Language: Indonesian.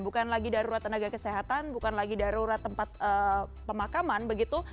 bukan lagi darurat tenaga kesehatan bukan lagi darurat tempat pemakaman begitu